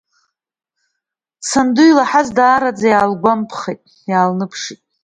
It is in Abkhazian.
Санду илаҳаз даараӡа иаалгәамԥхеит, иаалныԥшит.